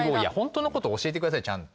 本当のことを教えてくださいよ。